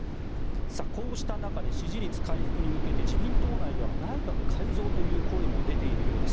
こうした中で支持率回復に向けて自民党内では内閣改造という声も出ているようです。